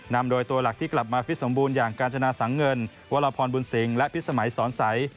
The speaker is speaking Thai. นำโดยตัวหลักที่กลับมาฟิตสมบูรณ์อย่างกาญจนาสังเงินวรพรบุญสิงศ์และพิษสมัยสอนใส